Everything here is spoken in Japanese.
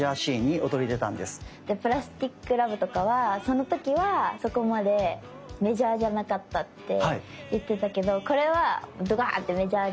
「プラスティック・ラブ」とかはその時はそこまでメジャーじゃなかったって言ってたけどこれはドカーンってメジャーになったんですか？